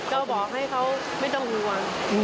ก็บอกให้เขาไม่ต้องห่วง